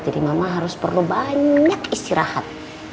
jadi mama harus perlu banyak istirahat